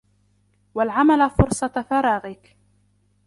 وَالْعَمَلَ فُرْصَةَ فَرَاغِك